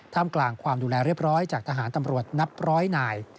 มกลางความดูแลเรียบร้อยจากทหารตำรวจนับร้อยนาย